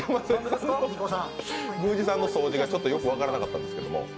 宮司さんの掃除がちょっとよく分からなかったんですけど。